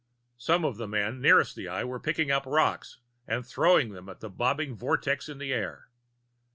Some of the men nearest the Eye were picking up rocks and throwing them at the bobbing vortex in the air.